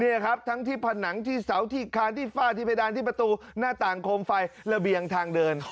นี่ครับทั้งที่ผนังที่เสาที่คานที่ฝ้าที่เพดานที่ประตูหน้าต่างโคมไฟระเบียงทางเดิน